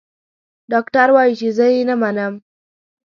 ډاکټر وايي چې زه يې نه منم.